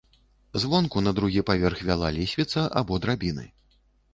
Звонку на другі паверх вяла лесвіца або драбіны.